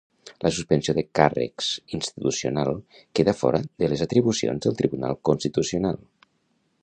La suspensió de càrrecs institucional queda fora de les atribucions del Tribunal Constitucional.